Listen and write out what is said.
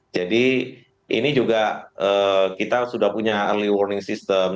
jadi ini juga kita sudah punya early warning system